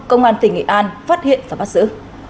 công an tỉnh nghệ an phát hiện và bắt giữ